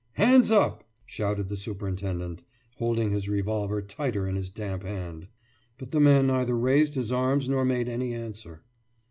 »Hands up!« shouted the superintendent, holding his revolver tighter in his damp hand. But the man neither raised his arms nor made any answer.